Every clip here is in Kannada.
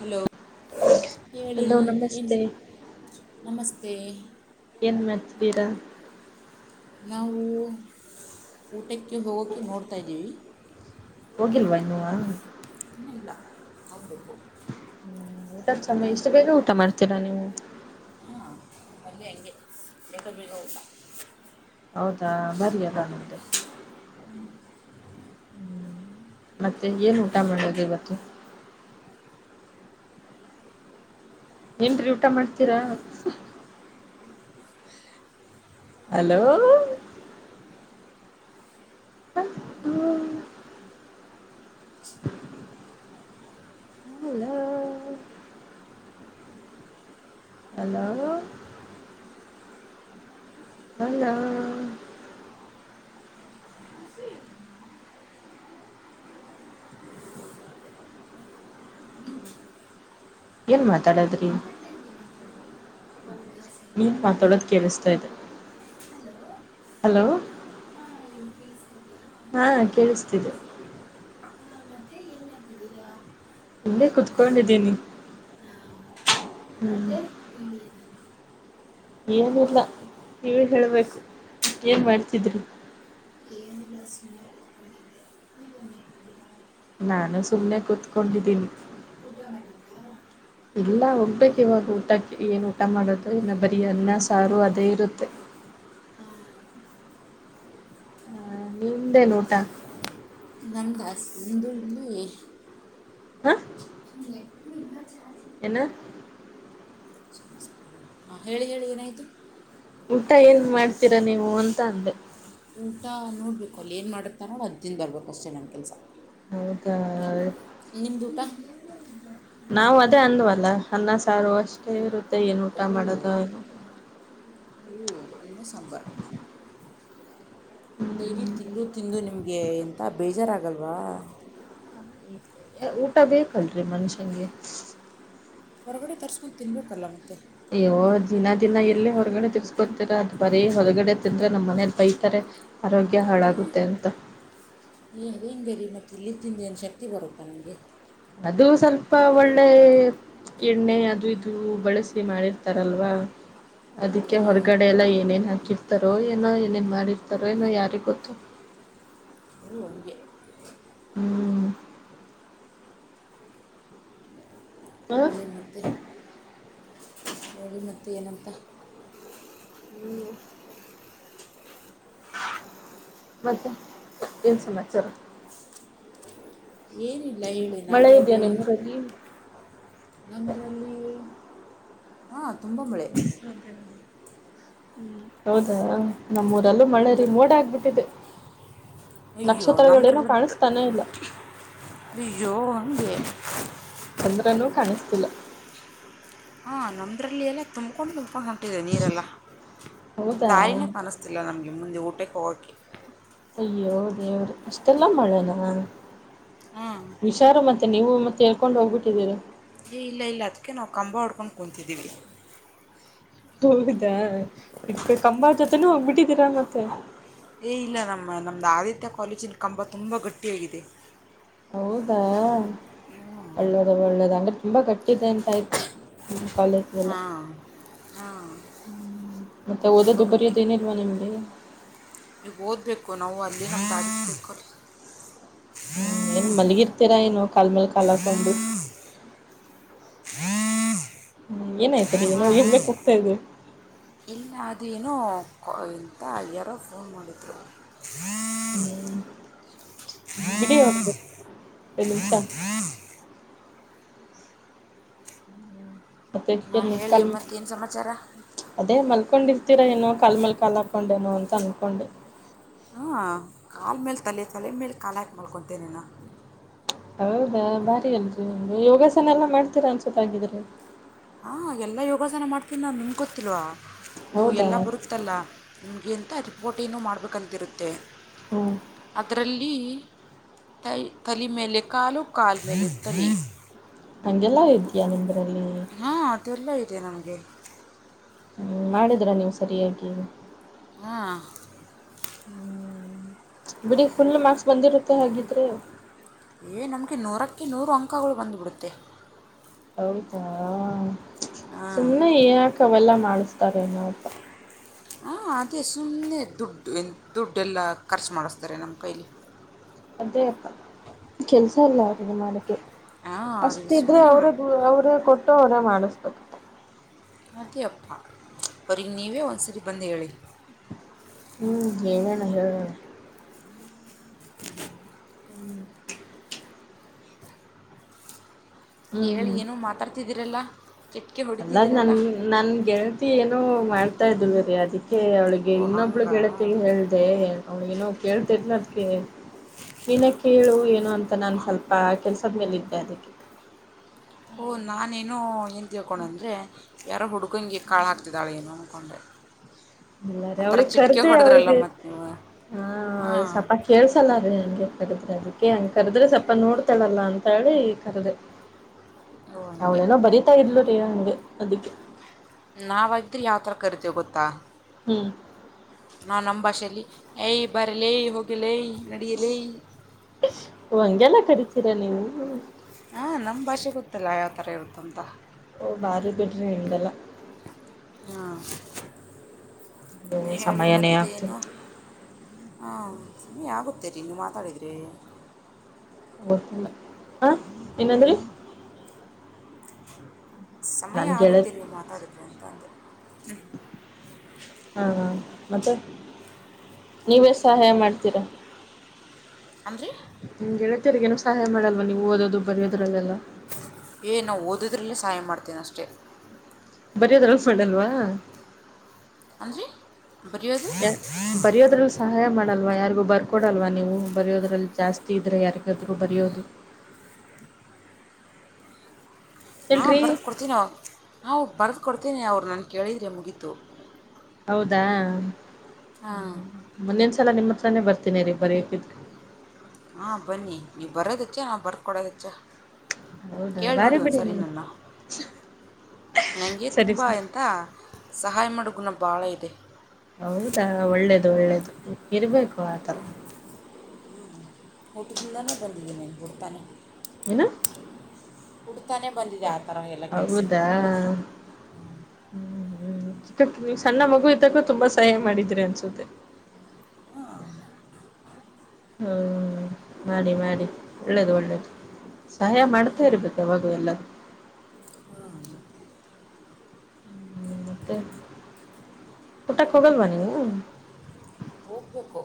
ಹಲೋ ಹೇಳಿ ಹಲೋ ಏನು ನಮಸ್ತೆ ನಮಸ್ತೆ ಏನ್ ಮಾಡಚ್ಿದೀರಾ ನಾವು ಊಟಕ್ಕೆ ಹೋಗೋಕೆ ನೋಡ್ತಾಯಿದ್ದೀವಿ ಹೋಗಿಲ್ವಾ ಇನ್ನು ಇಲ್ಲ ಹೌಬೇಕು ಊಟದ ಸಮಯ ಇಷ್ಟು ಬೇಗ ಊಟ ಮಾಡ್ತೀರಾ ನೀವು ಹಾಂ ಬರ ಹಂಗೆ ಬೇಕ ಬಗೋಗಲ್ಲ ಹೌದಾ ಬರಿಯಲ್ಲ ನಮ್ದೆ ಮತ್ತೆ ಏನ್ ಊಟ ಮಾಡೋದು ಇವತ್ತು ಏನ್ರರಿ ಊಟ ಮಾಡ್ತೀರಾ ಹಲೋ ಹ್ಮ ಹಲೋ ಹಲೋ ಹಲ ಏನ್ ಮಾತಾಡದ್ರಿ. ಹ್ಮ ನೀನ್ ಮಾತಾಡೋದು ಕೇಳಿಸ್ತಾ ಇದೆ. ಹಲೋ ಹಲೋ ಹಾ ಕೇಳಿಸ್ತೀದೆ. ಮೆ ಎ [unintelligible] ಇ [unintelligible] ಇಲ್ಲೇ ಕುತ್ಕೊಂಡಿದ್ದೀನಿ. ಹ್ಮ್ ಏನಿಲ್ಲ ನೀವೇ ಹೇಳ್ಬೇಕು ಏನ್ ಮಾಡ್ತಿದ್ರಿ. ಏನಿ ಇಲ್ಲಾ ಸುಮ್ನೆ ನಾನು ಸುಮ್ಮನೆ ಕುೂತ್ಕೊಂಡಿದ್ದೀನಿ. ಸದ [unintelligible] ಇಲ್ಲ ಹೋಗ್ಬೇಕು ಇವಾಗ ಊಟಕ್ಕೆ ಏನ್ ಊಟ ಮಾಡೋದು ಇನ್ನು ಬರಿೀ ಅನ್ನ ಸಾರು ಅದೇ ಇರುತ್ತೆ ನಿಮ್ದು ಏನ್ ಊಟ ನಮ್ಮಗೆ ಹಧೂರಲ್ಲಿ [unintelligible] ಹ ಹ [unintelligible] ಏನ ಹಾಂ ಹೇಳಿ ಹೇಳಿ ಏನಾಯಿತು. ಊಟ ಏನ್ ಮಾಡ್ತೀರಾ ನೀವು ಅಂತ ಅಂದೆ. ಊಟ ನೋಡ್ಬೇಕು ಅಲ್ಲಿ ಏನು ಮಾಡಿರ್ತಾರೋ ಅದ್ದಿಂದ ಬರ್ಬೇಕು ಅಷ್ಟೇ ನನ್ನ ಕೆಲಸ. ಹೌದ ಅೇ ನಿಮ್ದಊಟ ನಾವು ಅದೇ ಅಂದ್ವಲ್ಲ ಹನ್ನ ಸಾವು ಅಷ್ಟೇ ಇರುತ್ತೆ ಏನು ಊಟ ಮಾಡೋದು. ಹ್ಮ ಅನ್ನ ಸಾಂಬಾರ್. ಡೈಲಿ ತಿಂದು ತಿಂದು ನಿಮಗೆ ಎಂಥ ಬೇಜಾರಾಗಲ್ವಾ. ಊಟ ಬೇಕಲ್ರರಿ ಮನುಷ್ಯಂಗೆ. ಹೊರಗಡೆ ತರ್ಸ್ಕೊಂಡು ತಿನ್ಬೇಕಲ್ಲ ಮತ್ತೆ. ಅಯ್ಯೋ ದಿನ ದಿನ ಎಲ್ಲೇ ಹೊರಗಡೆ ತಿರ್ಸ್ಕೊತೀರ ಅದು ಬರೀ ಹೊರಗಡೆ ತಿಂದ್ರೆ ನಮ್ಮ್ ಮನೇಲಿ ಬೈತಾರೆ. ಆರೋಗ್ಯ ಹಾಳಾಗುತ್ತೆ ಅಂತ. ಏ ಅದೇನು ಬರಿ ಮತ್ತು ಇಲ್ಲಿ ತಿಂದ ಏನು ಶಕ್ತಿ ಬರುತ್ತಾ ನನಗೆ. ಅದು ಸ್ವಲ್ಪ ಒಳ್ಳೆ. ಎಣ್ಣೆ ಅದು ಇದು ಬಳಸಿ ಮಾಡಿರ್ತಾರಲ್ವಾ. ಅದಕ್ಕೆ ಹಾಂ ಹೊರಗಡೆ ಎಲ್ಲ ಏನೇನ್ ಹಾಕಿರ್ತಾರೋ ಏನೋ ಏನೇನ್ ಮಾಡಿರ್ತಾರೋ ಏನೋ ಯಾರಿಿಗೆ ಗೊತ್ತು. ಹ್ಮ ಹಂಗೆ ಹ್ಮ್ ಹಾ ಇನ್ನೇನು ಮತ್ತ ಇ ಮತ್ತು ಏನಂತ ಹ್ಮ್ ಮತ್ತೆ ಏನು ಸಮಾಚಾರ ಏನಿಲ್ಲ ಹೇಳಿ ನಾವ ಮಳೆ ಇದೆಯಾ ಅದೇ. ನಿಮ್ಮೂರಲ್ಲಿ ನಂದ್ರಲ್ಲಿ ಹಾ ತುಂಬ ಮಳೆ. ಹ್ಮ ಹೌದಾ ನಮ್ಮೂರಲ್ಲೂ ಮಳೆರಿ ನಮ್ದ್ರ ಮೋಡ ಆಗ್ಬಿಟ್ಟಿದೆ. ಅಯ್ಯೋ ನಕ್ಷತ್ರಗಳೇನು ನಂಬ್ರಲಂತ ಕಾಣಿಸ್ತಾನೆ ಇಲ್ಲ ಅಯ್ಯೋ ಹಗೆ ಚಂದ್ರನುೂ ಕಾಣಿಸ್ತಿಲ್ಲ ಹಾಂ ನಮ್ಮದ್ರಲ್ಲಿ ಎಲ್ಲ ತುಂಬ್ಕೊಂಡು ತುಂಬ್ಕೊಂಡು ಹೊಂಟಿದೆ ನೀರೆಲ್ಲ ಹೌದಾ ದಾರಿನೇ ಕಾಣಿಸ್ತದೆ ಗೊತ್ತಿಲ್ಲ ನಮಗೆ ಮುಂದೆ ಊಟಕ್ಕೆ ಹೋಗಕಿ ಅಯ್ಯೋ ದೇವ್ರಿ ಅಷ್ಟೆಲ್ಲ ಮಾಡ್ಯಾನ ಹಾಂ ಹುಷಾರು ಮತ್ತೆ ನೀವು ಮತ್ತೆ ತೇಳ್ಕೊಂಡು ಹೋಗ್ಬಿಟ್ಟಿದ್ದೀರ ಏ ಇಲ್ಲ ಇಲ್ಲ ಅದಕ್ಕೆ ನಾವು ಕಂಬ ಹುಡ್ಕೊಂಡು ಕುತಿದ್ದೀವಿ ಹೌದಾ ಇಟ್ಕ ಕಂಬ ಜೊತೆನೂ ಹೋಗ್ಬಿಟ್ಟಿದ್ದೀರಾ ಮತ್ತೆ ಏ ಇಲ್ಲ ನಮ್ಮ ನಮ್ಮ್ದ ಆದಿತ್ಯ ಕಾಲೇಜಿನ ಕಂಬ ತುಂಬ ಗಟ್ಟಿಯಾಗಿದೆ. ಹೌದಾ... ಹ್ಞೂ ಒಳ್ಳದ ಒಳ್ಳೇದು ಅಂದ್ರೆ ತುಂಬಾ ಗಟ್ಟಿದೆ ಅಂತಾಯ್ತು ಕಾಲೇಜ ಎಲ್ಲ ಹ್ಮ ಮತ್ತೆ ಓದೋದು ಬರಿಯೋದ ಏನಿಲ್ವಾ ನಿಮ್ಗೆ ಈಗ ಓದಬೇಕು ನಾವು ಅಲ್ಲಿ ಹಂತಾಬೇಕು ಹ್ಮ್ ಏನ್ ಮಲಗಿರ್ತೀರಾ ಏನ್ ಕಾಲ ಮೇಲ್ ಕಾಲ ಹಾಕೊಂಡು ಹ ಏನಾಯ್ತ ರೀ ಹೆಮ್ಮೆ ಪಡ್ತಾ ಇದಿಯಾ ಇನ್ನು ಅದೇನೋ ಇಂತ ಯಾರೋ ಫೋನ್ ಮಾಡಿದರು ಹ್ಮ್ ಬಿಡ ಅವರ ಐದು ನಿಮಿಷ ನಾ ಮತ್ತೆನ್ನು ಹೇಳಿ ಕಲ್ ಮತ್ತೇನು ಸಮಾಚಾರ ಅದೇ ಮಲ್ಕೊಂಡಿರ್ತೀರಾ ಏನೊ ಕಾಲ ಮೇಲೆ ಕಾಲ ಹಾಕೊಂಡೇನೋ ಅಂತ ಅನ್ಕೊಂಡೆ ಹಾ ಕಾಲ ಮೇಲೆ ತಲೆ ತಲೆ ಮೇಲೆ ಕಾಲ ಹಾಕಿ ಮಲ್ಕೊಂತೀನಿ ನಾ ಹೌದಾ ಬಾರಿ ಅಲ್ರಿ ಯೋಗಾಸನೆ ಎಲ್ಲ ಮಾಡ್ತೀರಾ ಅನ್ಸುತ್ತೆ ಆಗಿದ್ರೆ ಹಾ ಎಲ್ಲ ಯೋಗಾಸನ ಮಾಡ್ತೀನಿ ನಾನು ನಿಮಗೆ ಗೊತಿಲ್ವಾ ಹೌದಾ ಎಲ್ಲಾ ಬರುತ್ತಲ್ಲ ನಿಮಗೆ ಅಂತ ರಿಪೋರ್ಟಿನೂ ಮಾಡ್ಬೇಕಂತಿರುತ್ತೆ ಹ್ಮ್ ಅದರಲ್ಲಿ ತೈ ತಲೆ ಮೇಲೆ ಕಾಲು, ಕಾಲ ಮೇಲೆ ತಲೆ. ನಗೆಲ್ಲ ಇದೆಯ ನಿಮ್ದ್ರಲ್ಲಿ ಹಾಂ ಅದೆಲ್ಲ ಇದೆ ನಮಗೆ ಹ್ಮ್ ಮಾಡಿದ್ರ ನೀವು ಸರಿಯಾಗಿ. ಹಾ ಹ್ಮ್ ಬಿಡಿ ಫುಲ್ ಮಾರ್ಕ್ಸ್ ಬಂದಿರುತ್ತೆ ಹಾಗಿದ್ರೆ ಏ ನಮ್ಗೆ ನೂರಕ್ಕೆ ನೂರು ಅಂಕಗಳು ಬಂದುಬಿಡುತ್ತೆ. ಹೌದಾ ಹಾಂ ಸುಮನೆ ಯಾಕ ಅವೆಲ್ಲ ಮಾಡಿಸ್ತಾರೆನಪ್ಪ ಹಾಂ ಅದೇ ಸುಮ್ಮನೆ ದುಡ್ಡು ಎ ದುಡ್ಡೆ ಎಲ್ಲ ಖರ್ಚು ಮಾಡಿಸ್ತಾರೆ ನಮ್ಮ ಕೈಯಲಿ ಅದೇ ಅಪ್ಪ ಕೆಲ್ಸ ಅಲ್ಲ ಅವ್ರ್ಗೆ ಮಾಡಕ್ಕೆ. ಹಾಂ ಅವರಿಗೆ ಅಷ್ಟಿದ್ರೆ ಸುಮ್ಮನೆ ಅವರೇ ಅವ್ರೇ ಕೊಟ್ಟು ಅವರೇ ಮಾಡಿಸ್ಬೇಕು. ಅದೇ ಅಪ್ಪ ಅವರಿಗೆ ನೀವೇ ಒಂದ್ಸರಿ ಬಂದು ಹೇಳಿ ಹ್ಮ್ ಹೇಳೋಣ ಹೇಳೋಣ. ಹ್ಮ್ ಹ್ಮ್ ಹೇಳಿ ಹ್ಮ್ ಏನೋ ಮಾತಾಡ್ತಿದ್ದೀರಲ್ಲ ಚಟ್ಕೆ ಅಲ್ಲ ನನ್ ಹೊಡಿತಿದ್ದೀರಲ್ಲ ನನ್ ಗೆಳತಿ ಏನೋ ಮಾಡ್ತಾ ಇದ್ದಳು ಅದಕ್ಕೆ ಅವ್ಳಿಗೆ ಓ ಇನ್ನೊಬ್ಳು ಹಂಗಾ ಗೆಳತಿ ತಿಳಿ ಹೇಳದೆ ಅವಳು ಏನು ಕೇಳ್ತಾ ಇದ್ಲು ಅದಕ್ಕೆ ನೀನೇ ಕೇಳು ಏನು ಅಂತ ನಾನ್ ಸ್ವಲ್ಪ ಕೆಲ್ಸದ ಮೇಲೆ ಇದ್ದೆ ಅದಕ್ಕೆ ಹೊ ನಾನೇನ ಏನ್ ತಿಳ್ಕೊಂಡ ಅಂದ್ರೆ ಯಾರೋ ಹುಡ್ಕಂಗೆ ಕಾಳಾಗ್ತಿದ್ದಾಳಿಯನ್ನು ಅಂದ್ಕೊಂಡೆ ಎಲ್ಲಾರೆ ಆ ಥರ ಅವಳಗ್ ಚಿಟ್ಕೆ ಕರ್ದ ಹೊಡೆದ್ರಲ್ಲ ಅವಳಿಗೆ ಮತ್ತು ನೀವು ಹ ಅವಳ ಹಾಂ ಸಪ ಕೇಳಸ ಚಲ ರೀ ಹಂಗೆ ಕರದ್ರೆ ಅದಕ್ಕೆ ಹಂಗ ಕರೆದ್ರೆ ಸ್ವಲ್ಪ ನೋಡ್ತಾಳಲ್ಲ ಅಂತ ಹೇಳಿ ಕರದೆ. ಓ ಹಂಗೆ ಅವ್ಳೇನೋ ಬರತಾ ಇದ್ಲೆ ರೀ ಹಂಗೆ ಅದಕ್ಕೆ. ನಾವಾಗಿದ್ರೆ ಯಾವ ಥರ ಕರಿತೇವೆ ಗೊತ್ತಾ. ಹ್ಮ್ ನಾನ್ ನಮ್ಮ ಭಾಷೆಯಲ್ಲಿ ಯ್ಯ ಬಾರೇಲೇ ಹೋಗೆಲೇ ನಡಿಯಲೇ. ಓ ಹಂಗೆಲ್ಲ ಕರಿತೀರಾ ನೀವು. ಹಾಂ ನಮ್ಮ ಭಾಷೆ ಗೊತ್ತಲ್ಲ ಯಾವ ಥರ ಇರುತ್ತ ಅಂತ. ಓ ಬಾರಿ ಬಿಡ್ರೀ ನಿಮ್ದೆಲ್ಲಾ. ಹಾ ಹೇಳಿ ಸಮಯನೇ ಆಗ್ತಿಲ್ಲ ಮತ್ತೇನು ಹಾ [unintelligible] ಆಗುತ್ತೇರಿ ನೀ ಮಾತಾಡಿದ್ರೇ. ಹ ಹ ಏನಂದ್ರಿ. ಸಮಯ ನನ್ ಆಗುತ್ತೆ ಗೆಳತಿ ರೀ ಮಾತಾಡಿದ್ರೆ ಅಂತ ಅಂದೆ. ಹಾ ಮತ್ತೆ ನೀವೇ ಸಹಾಯ ಮಾಡ್ತೀರಾ. ಆರೀ. ನಿಮ್ ಗೆಳೆತಿಯರ್ಗೇನು ಸಹಾಯ ಮಾಡಲ್ವ ನೀವು ಓದೋದು ಬರೆಯೋದ್ರಲ್ಲೆಲ್ಲ. ಏ ನಾವು ಓದೋದ್ರಲ್ಲೇ ಸಹಾಯ ಮಾಡ್ತೀನಿ ಅಷ್ಟೇ. ಬರೆಯೋದ್ರಲ್ಲಿ ಮಾಡಲ್ವಾ. ಅಂದ್ರೀ ಬರೆಯೋದು. [unintelligible] ಬರಿಯೋದ್ರಲ್ಲಿ ಸಹಾಯ ಮಾಡಲ್ವ ಯಾರಿಗೂ ಬರ್ಕೊಡಲ್ವಾ ನೀವು ಬರಯೋದ್ರಲ್ಲಿ ಜಾಸ್ತಿ ಇದ್ರೆ ಯಾರಿಗಾದ್ರು ಬರಿಯೋದು. ಹಾಂ ಇಲ್ರಿ ಬರ್ದು ಕೊಡ್ತೀನಿ ನಾ ಬರೆದು ಕೊಡ್ತೀನಿ ಅವ್ರು ನಾನು ಕೇಳಿದ್ರೇ ಮುಗೀತು. ಹೌದಾ ಹಾಂ ಮುಂದಿನ್ಸಲ ನಿಮ್ಮ ಹತ್ರಾನೇ ಬರ್ತೀನಿ ಇರೀ ಬರೆಯೋದಿದ್ರೆ. ಹಾ ಬನ್ನಿ ನೀವ್ ಬರೋದೆಚ್ಚ ನಾವು ಬರ್ದ ಕೊಡೋದ್ ಹೆಚ್ಚ. ಹೌದಾ ಕೇಳ್ ನೋಡು ಬಾರಿ ಬಿಡಿ ಒಂದ್ಸರಿ ನೀವು ನ್ನನ್ನ. ನನಗೆ ಸರಿ ತುಂಬ ಸರಿ ಎಂತ ಸಹಾಯ ಮಾಡೋ ಗುಣ ಭಾಳ ಇದೆ. ಹೌದಾ ಒಳ್ಳೇದು ಒಳ್ಳೇದು ಇರ್ಬೇ ಹ್ಞ ಹ ಊಟದಿಂದಾನೇ ಬಂದಿದ್ದೀನಿ ಗೊತ್ತಾನೆ. ಏನು ಉಡ್ತಾನೆ ಬಂದಿದೆ ಆ ಥರ ಎಲ್ಲ ಕೆಲಸ ಹೌದಾ ಮಾಡೋದು. ಹ್ಮ್ ಹ್ಮ್ ಚಿಕ್ಕ ಸಣ್ಣ ಮಗು ಇದ್ದಾಗೂ ತುಂಬಾ ಸಹಾಯ ಮಾಡಿದ್ರಿ ಅನ್ಸುತ್ತೆ. ಹ ಹ್ಮ್ ಮಾಡಿ ಮಾಡಿ ಒಳ್ಳೇದು ಒಳ್ಳೇದು. ಸಹಾಯ ಮಾಡ್ತಾ ಇರ್ಬೇಕು ಅವಾಗ ಎಲ್ಲ. [unintelligible] ಹ್ಮ್ ಮತ್ತೆ ಊಟಕ್ಕೆ ಹೋಗಲ್ವಾ ನೀವು. ಹೋಗಬೇಕು.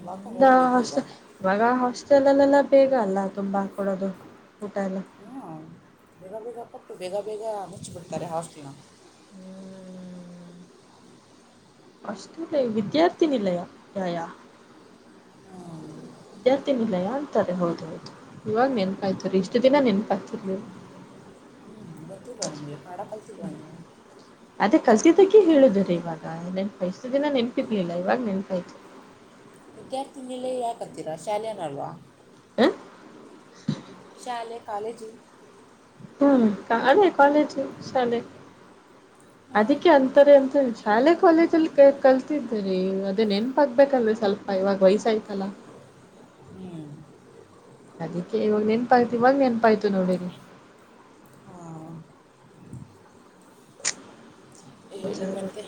ಇವಾಗ ಹೋಗಬೇಕು ಇವಾಗ [unintelligible] ಇವಾಗ ಹಾಸ್ಟೆಲ್ ಲ್ಲೆಲ್ಲ ಬೇಗ ಅಲ್ಲ ತುಂಬಾ ಕೊಡೋದು ಊಟ ಎಲ್ಲ. ಹೊಂ ಬೇಗ ಬೇಗ ಕೊಟ್ಟು ಬೇಗ ಬೇಗ ಮುಚ್ಚಿಬಿಡ್ತಾರೆ ಹಾಸ್ಟೆಲನ. ಹ್ಮ್ [unintelligible] ಲ್ಲ ವಿದ್ಯಾರ್ಥಿ ನಿಲಯ ಯಯಾ. ಹ್ಞೂ ವಿದ್ಯಾರ್ಥಿನಿಲಯಾ ಅಂತಾರೆ ಹೌದು ಹೌದು ಇವಾಗ ನೆನ್ಪಾಯ್ತುರೀ ಇಷ್ಟು ದಿನ ನೆನ್ಪಾಯ್ತಿರ್ಲಿಲ್ಲ. ಹ್ಞೂ ಗೊತ್ತಿಲ್ವಾ ನಿಂಗೆ ಕನ್ನಡ ಕಲ್ತಿಲ್ವಾ ನೀವು. ಅದೇ ಕಲ್ತಿದಕ್ಕೆ ಹೇಳುದ್ರೀ ಇವಾಗ ನನ್ಪ್ ಇಷ್ಟ ದಿನ ನೆನಪಿರ್ಲಿಲ್ಲ ಇವಾಗ ನೆನ್ಪ ಆಯ್ತು. ವಿದ್ಯಾರ್ಥಿನಲ ಯಾಕತ್ತೀರಾ ಶಾಲೆನಲ್ವಾ [unintelligible] ಹ [unintelligible] ಶಾಲೆ ಎ ಕಾಲೇಜೂ ಹ್ಮ್ ಅದೇ ಕಾಲೇಜು ಶಾಲೆ ಹಾಂ ಅದಕ್ಕೆ ಅಂತಾರೆ ಅಂತ ಹೇಳಳ್- ಶಾಲೆ ಕಾಲೇಜಲ್ಲಿ ಕಲ್ತಿದ್ದರ್ತಿವಿ ಅದೇ ನೆನಪು ಆಗ್ಬೇಕು ಅಲ್ಲ ಸ್ವಲ್ಪ ಇವಾಗ ವಯಸ್ಸ ಆಯ್ತಲ್ಲ ಹ್ಞೂ ಅದಕ್ಕೆ ಇವಾಗ ನೆಪಾಯ್ತ ಇವಾಗ ನೆನಪಾಯ್ತು ನೋಡರಿ- ಹಾಂ ಹೇಳಿ ಬಜಾರ ಮತ್ತೆ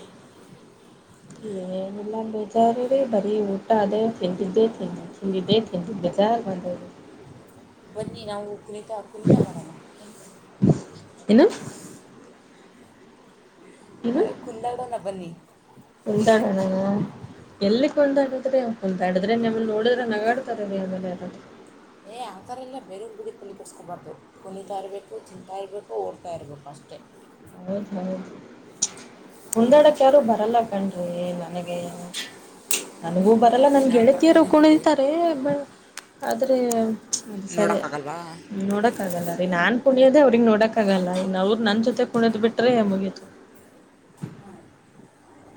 ಏನಲ್ಲಾ ಬೇಜಾರಿ ರೀ ಬರೀ ಊಟ ಅದೇ ತಂಡಿದ್ದೇ ತಿಂದಿ ತಿಂಡಿದ್ದೆ ತ ಬೇಜಾರ ಬಂದರು ಬನ್ನಿ ನಾವು ಕುಣಿತಾ ಕುಣಿತಾ ಮಾಡೋಣ ಕುಣಿತ ಏನು ಕುಲ್ಲಾಗ ನ ಬನ್ನಿ ಕುಂದಾಡನ ಎಲ್ಲಿ ಕುಂದಾಡಿದ್ರೆ ಹೊಂದಾಡಿದ್ರೆ ನಮ್ಮ ನೋಡಿದ್ರೆ ನಗಾಡ್ತಾರೆಲ್ಲಿ ಆಮೇಲೆಾರ ೇ ಆ ಥರಲ್ಲ ಬೇರೆೊಬ್ಬಡುಗ ತಲ್ಲಿ ಕೊಟ್ಟಿಸಸ್ಕೊಬಾರ್ದು ಕುಣಿತಾ ಇರಬೇಕು ತಿಂತಾಯ ಇರಬೇಕು ಓಡ್ತಾ ಇರಬೇಕು ಅಷ್ಟೇ ಹೌದು ಹೌದು [unintelligible] ಹೊಂದಾಡಕ ಯಾರು ಬರಲ್ಲ ಕಣ್ರಿ ನನಗೆ ನನಗೂ ನೀವು ಬರಲ್ಲ ಕರೀರಿ ನನ್ ನಾನು ಗೆಳತಿಯರು ಬರ್ತೇನೆ ನೋಡಿ ಕುಳಿತಾರೆ ಆದ್ರೆ ಅದ ಸರಿ ನೋಡೋಕ್ಕಾಗಲ್ವಾ ನೋಡಕ್ ಆಗಲ್ಲ ರೀ ನಾನ್ ಕುಣಿಯೋದೇ ಅವ್ರಿಗೆ ನೋಡಕಕ್ಕಾಗಲ್ಲ ಇನ್ ಅವ್ರ ನನ್ ಜೊತೆ ಕುಣ್ಯ್ ಬಿಟ್ರೆ ಮುಗಿಯತ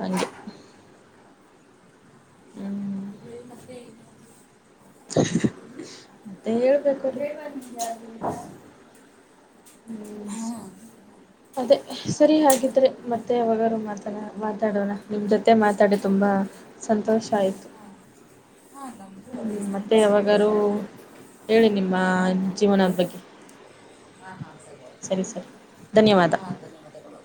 ಹಂಗೆ ಹ್ಮ್ ಮ ಮತ್ತೆ [unintelligible] ಮತ್ತೆ ಹೇಳ್ಬೇಕಲ್ರಿ ಜಾರ್ಿಂದ [unintelligible] ಹ್ಮ ಅದೇ ಸರಿ ಹಾಗಿದ್ರೆ ಮತ್ತೆ ಅವಾಗರು ಮಾತಡ ಮಾತಾಡೋಣ ನಿಮ್ಮ ಜೊತೆ ಮಾತಾಡಿ ತುಂಬ ಸಂತೋಷ ಆಯಿತು ಹಾಂ ನಮಗೂ ಹ್ಮ್ ಅದೇ ಮತ್ತೆ ತುಂಬ ಸಂತೋಷ ಯಾವಾಗಾರೂ ಆಯಿತು ಹೇಳಿ ನಿಮ್ಮ ಜೀವನದ ಬಗ್ಗೆ ಹಾ ಹಾ ಸರಿ ಸರಿ ಧನ್ಯವಾದ ಧನ್ಯವಾದಗಳು